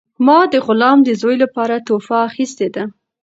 ما د غلام د زوی لپاره تحفه اخیستې ده.